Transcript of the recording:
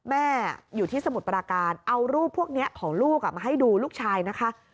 แม่อยู่ที่สมุทรปราการเอารูปพวกนี้ของลูกมาให้ดูลูกชายนะคะ